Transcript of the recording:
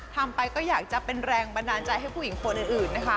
ทำไปก็อยากจะเป็นแรงบันดาลใจให้ผู้หญิงคนอื่นนะคะ